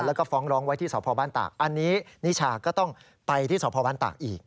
แล้วก็ฟ้องร้องไว้ที่สพบ้านตากอันนี้นิชาก็ต้องไปที่สพบ้านตากอีก